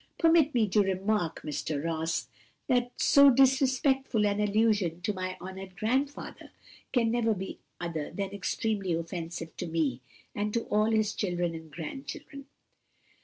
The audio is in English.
"Permit me to remark, Mr. Ross, that so disrespectful an allusion to my honored grandfather can never be other than extremely offensive to me, and to all his children and grandchildren."